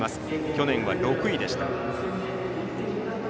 去年は６位でした。